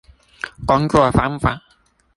工作方法